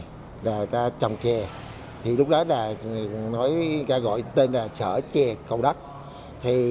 người ta trồng trà lúc đó người ta gọi tên là sở trà cầu đất